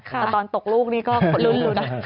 แต่ตอนตกลูกนี่ก็ลุ้นนะ